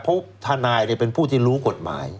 เพราะทนายเป็นผู้ที่รู้กฎหมาย